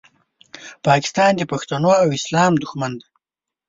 پاکستان د پښتنو او اسلام دوښمن دی